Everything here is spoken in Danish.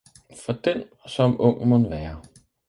for den, som ung mon være